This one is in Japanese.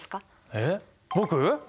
えっ僕？